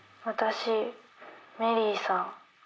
「私メリーさん